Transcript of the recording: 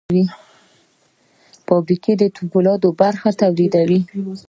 فابریکه د فولادو برخې تولیدوي.